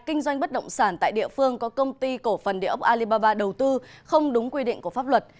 kinh doanh bất động sản tại địa phương có công ty cổ phần địa ốc alibaba đầu tư không đúng quy định của pháp luật